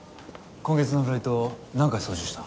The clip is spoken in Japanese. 今月のフライト何回操縦した？